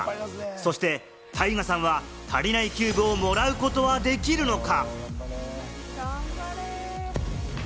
そしてタイガさんは足りないキューブをもらうことはできるのか？